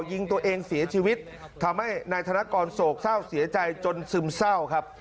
จ่ายิงตัวเองเสียชีวิตทำให้นายธนกรโสดเศร้าเสียใจมายังซึมเศร้า